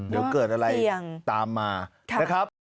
เดี๋ยวเกิดอะไรตามมานะครับ